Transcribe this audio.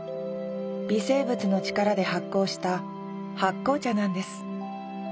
微生物の力で発酵した発酵茶なんです。